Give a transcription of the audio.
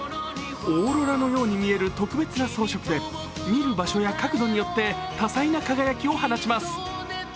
オーロラのように見える特別な装飾でみる場所や角度によって、多彩な輝きを放ちます。